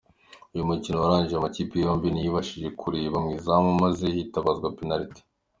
Uyu mukino warangiye amakipe yombi ntayibashije kureba mu izamu maze hitabazwa penaliti.